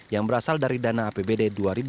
yang berasal dari dana apbd dua ribu delapan belas